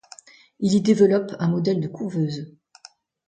Il y développe un modèle de couveuse.